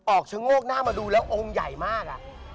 ชะโงกหน้ามาดูแล้วองค์ใหญ่มาก